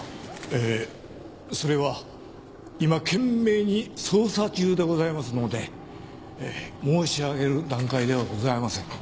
ええそれは今懸命に捜査中でございますので申し上げる段階ではございません。